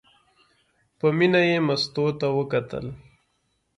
په مینه یې مستو ته وکتل.